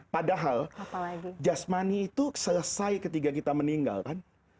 padahal jasmani itu selesai ketika kita meninggal kan